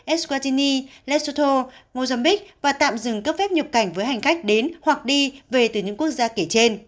eswatini lesotho mozambique và tạm dừng các phép nhập cảnh với hành khách đến hoặc đi về từ những quốc gia kể trên